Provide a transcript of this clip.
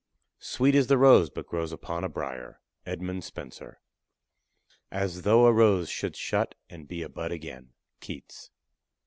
Sweet is the rose, but grows upon a brier. EDMUND SPENCER. As though a rose should shut, and be a bud again. KEATS.